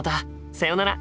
さよなら！